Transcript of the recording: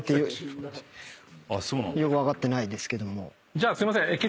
じゃあすいません。